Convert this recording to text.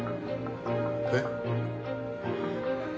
えっ？